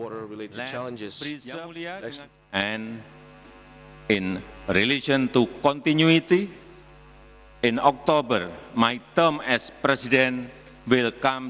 dan berhubungan dengan kelanjutan di oktober perhubungan saya sebagai presiden akan berakhir